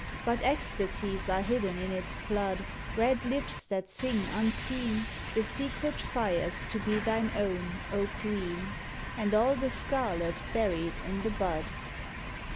But ecstasies are hidden in its flood Red lips that sing unseen The secret fires to be thine own, O Queen ! And all the scarlet buried in the bud.